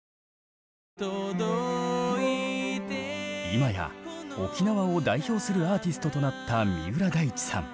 今や沖縄を代表するアーティストとなった三浦大知さん。